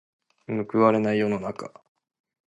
報われない世の中。